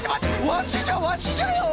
わしじゃわしじゃよ！